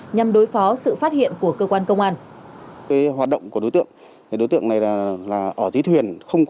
nhằm đối phó sự phát hiện của cơ quan công an